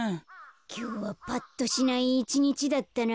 きょうはぱっとしないいちにちだったな。